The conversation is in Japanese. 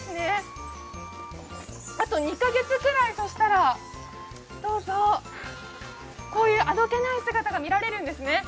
あと２カ月ぐらい、そうしたらこういうあどけない姿が見られるんですね。